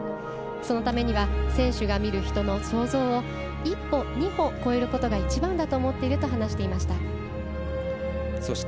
そのためには選手が、見る人の想像を１歩、２歩超えることが一番だと思っていると話していました。